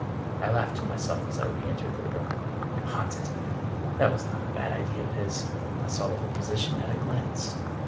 I laughed to myself as I reentered the room. Haunted! That was not a bad idea of his. I saw the whole position at a glance.